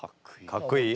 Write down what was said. かっこいい。